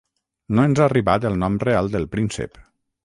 No ens ha arribat el nom real del príncep.